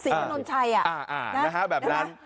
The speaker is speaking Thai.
สีขนวนชัยอะอ่าอ่านะฮะแบบนั้น